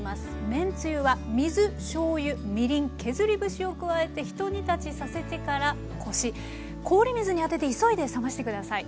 めんつゆは水しょうゆみりん削り節を加えて一煮立ちさせてからこし氷水に当てて急いで冷まして下さい。